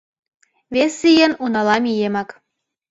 Вес ийын унала миемак!